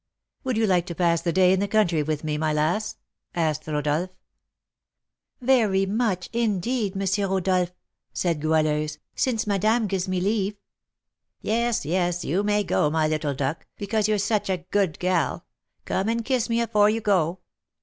"Would you like to pass the day in the country with me, my lass?" asked Rodolph. "Very much, indeed, M. Rodolph," said Goualeuse, "since madame gives me leave." "Yes, yes, you may go, my little duck, because you're such a good gal. Come and kiss me afore you go."